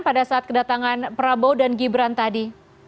pada saat kedatangan prabowo dan gibran tadi